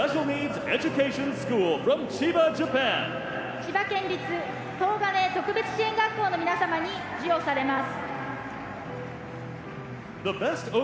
千葉県立東金特別支援学校の皆様に授与されます。